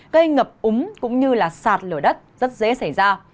gây ngập úng cũng như là sạt lửa đất rất dễ xảy ra